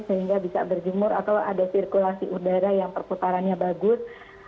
sehingga bisa berjemur atau ada sirkulasi udara yang perputarannya bagus